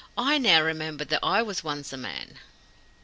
"I now remember that I was once a man."